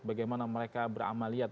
bagaimana mereka beramaliyat